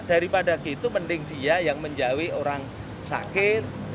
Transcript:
daripada gitu mending dia yang menjauhi orang sakit